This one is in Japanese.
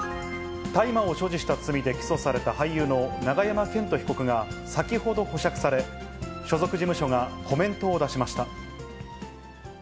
大麻を所持した罪で起訴された俳優の永山絢斗被告が、先ほど保釈され、所属事務所がコメントを出しました。